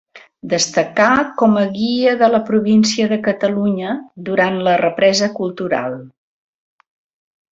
Destacà com a guia de la província de Catalunya durant la represa cultural.